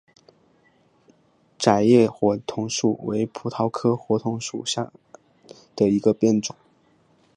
窄叶火筒树为葡萄科火筒树属下的一个种。